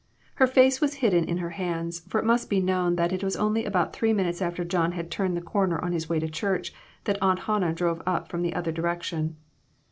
Her face was hidden in her hands, for it must be known that it was only about three minutes after John had turned the corner on his way to church that Aunt Hannah drove up from the other direction.